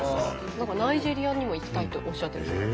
何かナイジェリアにも行きたいっておっしゃってるそうで。